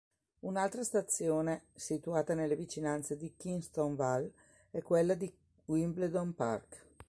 Un'altra stazione situata nelle vicinanze di Kingston Vale è quella di Wimbledon Park.